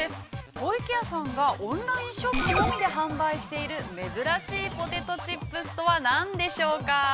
湖池屋さんがオンラインショップのみで販売している珍しいポテトチップスとは何でしょうか。